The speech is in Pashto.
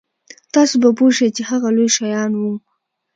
تاسو به پوه شئ چې هغه لوی شیان وو.